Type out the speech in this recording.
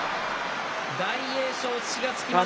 大栄翔、土がつきました。